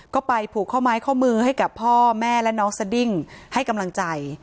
ก็ไปผูกข้อไม้ข้อมือให้กับพ่อแม่และน้องสดิ้งให้กำลังใจ